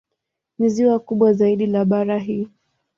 Ni ziwa kubwa zaidi la bara hili.